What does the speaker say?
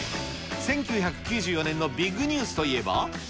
１９９４年のビッグニュースといえば。